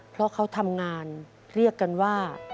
เพราะเขาทำงานเรียกกันว่า